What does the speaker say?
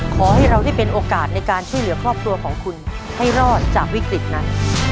ขอให้เราได้เป็นโอกาสในการช่วยเหลือครอบครัวของคุณให้รอดจากวิกฤตนั้น